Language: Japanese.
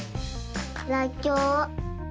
らっきょう。